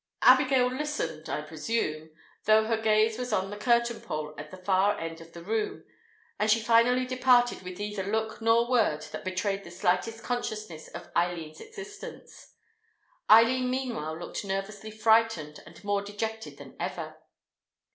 Abigail listened, I presume, though her gaze was on the curtain pole at the far end of the room; and she finally departed with neither look nor word that betrayed the slightest consciousness of Eileen's existence; Eileen meanwhile looked nervously frightened and more dejected than ever.